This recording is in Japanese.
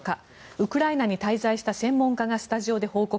ウクライナに滞在した専門家がスタジオで報告。